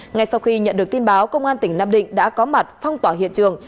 ngay sau khi nhận được tin báo công an tỉnh nam định đã có mặt phong tỏa hiện trường